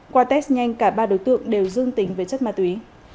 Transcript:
qua test nhanh cả ba đối tượng đều dương tính với chất ma túy